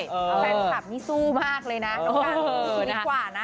แฟนคลับนี่สู้มากเลยนะน้องการสู้ดีกว่านะ